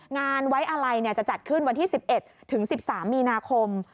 งานไว้อะไรจะจัดขึ้นวันที่๑๑ถึง๑๓มีนาคม